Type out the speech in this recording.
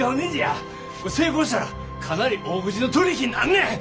成功したらかなり大口の取り引きになんねん。